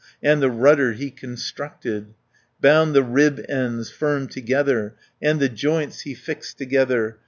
And the rudder he constructed, 110 Bound the rib ends firm together, And the joints he fixed together.